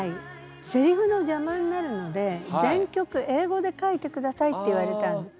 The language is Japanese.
せりふのじゃまになるので全曲英語で書いてくださいって言われたんです。